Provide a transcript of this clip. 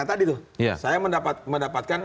tadi tuh saya mendapatkan